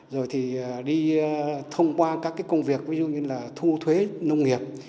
rồi thì đi thông qua các cái công việc ví dụ như là thu thuế nông nghiệp